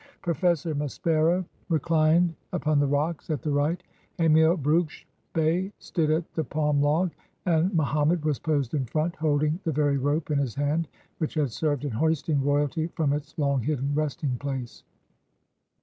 Professor Maspero reclined upon the rocks at the right; Emil Brugsch Bey stood at the palm log; and Mohammed was posed in front, holding the very rope in his hand which had served in hoisting royalty from its long hidden resting place.